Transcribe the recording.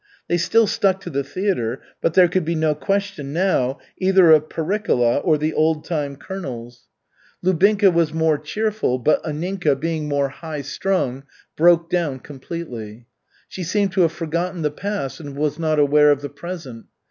They still stuck to the theatre, but there could be no question now either of Pericola or the Old time Colonels. Lubinka was more cheerful, but Anninka, being more high strung, broke down completely. She seemed to have forgotten the past and was not aware of the present.